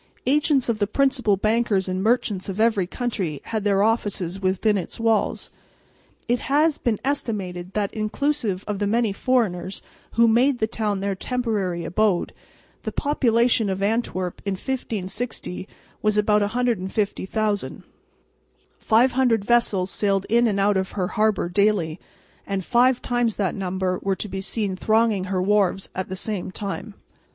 Agents of the principal bankers and merchants of every country had their offices within its walls. It has been estimated that, inclusive of the many foreigners who made the town their temporary abode, the population of Antwerp in 1560 was about 150,000. Five hundred vessels sailed in and out of her harbour daily, and five times that number were to be seen thronging her wharves at the same time.